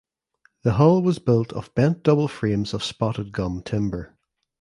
The hull was built of bent double frames of spotted gum timber.